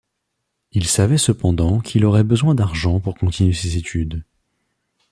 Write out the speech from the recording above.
Il savait cependant qu'il aurait besoin d'argent pour continuer ses études.